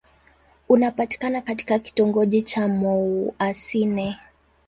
Unapatikana katika kitongoji cha Mouassine.